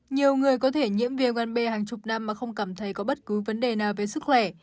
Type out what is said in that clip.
nhiều người có thể nhiễm viêm gan b hàng chục năm mà không cảm thấy có bất cứ vấn đề nào về sức khỏe